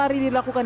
di jawa tengah